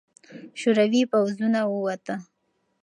شوروي پوځونه ووته.